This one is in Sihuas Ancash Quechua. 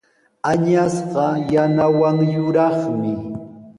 Añasqa yanawan yuraqmi.